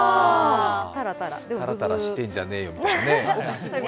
タラタラしてんじゃねーよみたいなね。